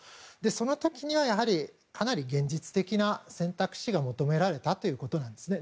その時には、やはりかなり現実的な選択肢が求められたということですね。